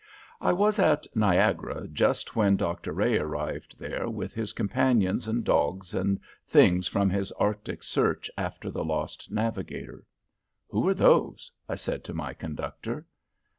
I was at Niagara just when Dr. Rae arrived there with his companions and dogs and things from his Arctic search after the lost navigator. "Who are those?" I said to my conductor.